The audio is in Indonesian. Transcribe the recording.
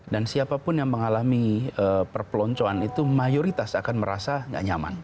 dan siapapun yang mengalami perpeloncoan itu mayoritas akan merasa enggak nyaman